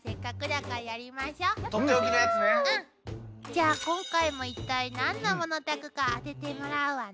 じゃあ今回も一体何のものたくか当ててもらうわね。